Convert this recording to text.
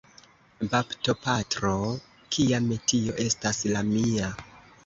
Baptopatro, kia metio estas la mia!